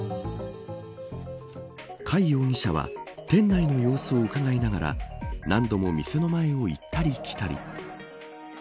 貝容疑者は店内の様子をうかがいながら何度も店の前を行ったり来たり。